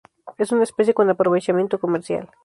Es una especie con aprovechamiento comercial.